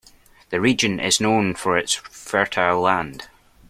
The region is known for its fertile land.